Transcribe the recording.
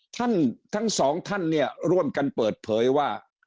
ทั้ง๒ท่านร่วมกันเปิดเผยว่า